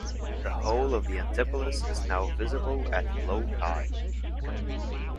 The hull of the Antipolis is now visible at low tide.